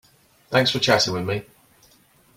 Thanks for chatting with me.